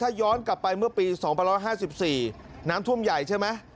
ถ้าย้อนกลับไปเมื่อปี๒๕๔น้ำท่วมใหญ่ใช่ไหม